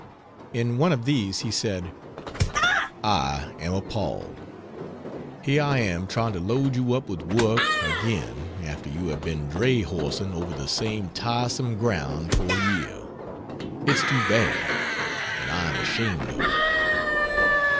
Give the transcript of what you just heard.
In one of these he said, "I am appalled! Here I am trying to load you up with work again after you have been dray horsing over the same tiresome ground for a year. It's too bad, and I am ashamed of it."